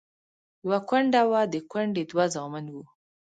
يوه کونډه وه، د کونډې دوه زامن وو.